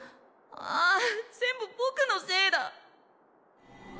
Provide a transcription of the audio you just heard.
ああ全部ぼくのせいだ。